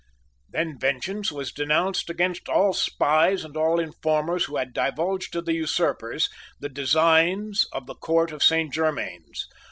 Then vengeance was denounced against all spies and all informers who had divulged to the usurpers the designs of the Court of Saint Germains.